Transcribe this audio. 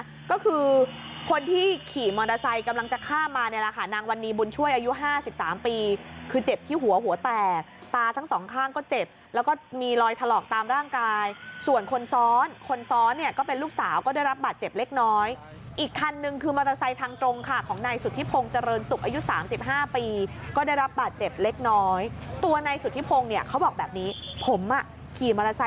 หนาหัดเลยนะก็คือคนที่ขี่มอเตอร์ไซค์กำลังจะข้ามมาเนี่ยแหละค่ะนางวันนี้บุญช่วยอายุห้าสิบสามปีคือเจ็บที่หัวหัวแตกตาทั้งสองข้างก็เจ็บแล้วก็มีรอยถลอกตามร่างกายส่วนคนซ้อนคนซ้อนเนี่ยก็เป็นลูกสาวก็ได้รับบาดเจ็บเล็กน้อยอีกคันนึงคือมอเตอร์ไซค์ทางตรงค่ะของนายสุธิพงศ์เจริญส